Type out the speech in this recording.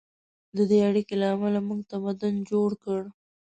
د دې اړیکې له امله موږ تمدن جوړ کړ.